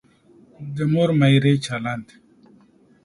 د مور میرې چلند.